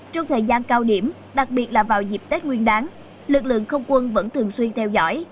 trong thời gian cao điểm đặc biệt là vào dịp tết nguyên đáng lực lượng không quân vẫn thường xuyên theo dõi